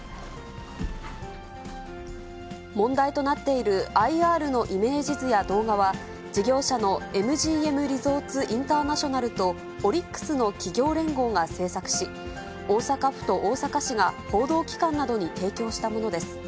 問題となっているＩＲのイメージ図や動画は、事業者のＭＧＭリゾーツ・インターナショナルと、オリックスの企業連合が制作し、大阪府と大阪市が報道機関などに提供したものです。